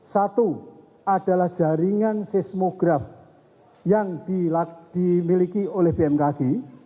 satu adalah jaringan seismograf yang dimiliki oleh bmkg